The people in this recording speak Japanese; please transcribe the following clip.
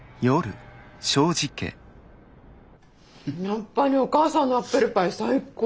やっぱりお母さんのアップルパイ最高！